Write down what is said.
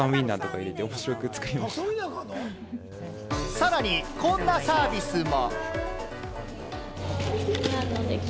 さらに、こんなサービスも。